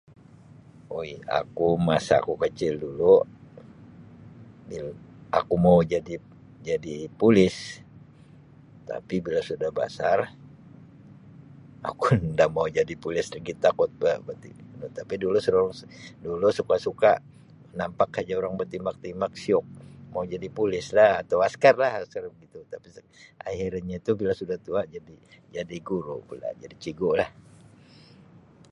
Ui aku masa aku kecil dulu yang aku mau jadi jadi polis tapi bila sudah basar aku nda mau jadi polis lagi takut pula [unintelligible] tapi dulu selalu dulu suka suka nampak saja orang betimbak timbak siuk mau jadi polis lah atau askar lah [unintelligible] akhirnya tu bila suda tua jadi jadi guru pula jadi cigu lah.